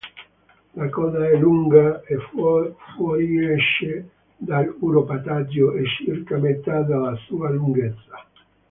La coda è lunga e fuoriesce dall'uropatagio a circa metà della sua lunghezza.